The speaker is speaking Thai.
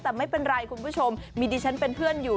แต่ไม่เป็นไรคุณผู้ชมมีดิฉันเป็นเพื่อนอยู่